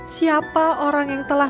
siapa orang yang telah